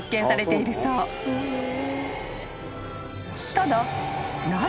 ［ただ］